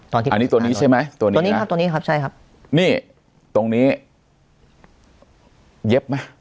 ตอนนี้อันนี้ตัวนี้ใช่ไหมตัวนี้ตัวนี้ครับตัวนี้ครับใช่ครับนี่ตรงนี้เย็บไหม